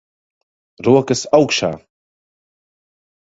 Rokas augšā.